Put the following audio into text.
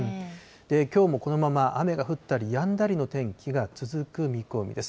きょうもこのまま雨が降ったりやんだりの天気が続く見込みです。